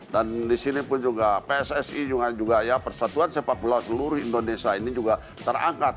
dan di sini pun juga pssi juga ya persatuan sepak belah seluruh indonesia ini juga terangkat